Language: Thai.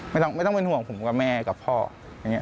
ไม่ต้องเป็นห่วงผมกับแม่กับพ่ออย่างนี้